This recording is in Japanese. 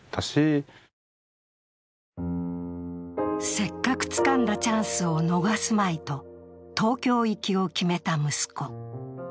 せっかくつかんだチャンスを逃すまいと東京行きを決めた息子。